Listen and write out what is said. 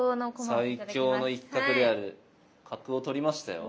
最強の一角である角を取りましたよ。